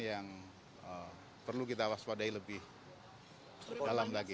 yang perlu kita waspadai lebih dalam lagi